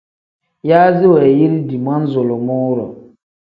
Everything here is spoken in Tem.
Yaazi wanyiridi manzulumuu-ro.